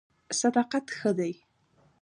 صداقت ښه دی.